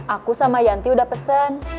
aku sama yanti udah pesen